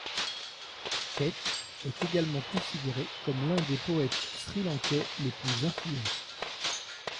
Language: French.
Keyt est également considéré comme l'un des poètes srilankais les plus influents.